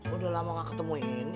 udah lama gak ketemu ini